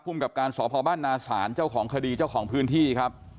กับการสพบ้านนาศาลเจ้าของคดีเจ้าของพื้นที่ครับ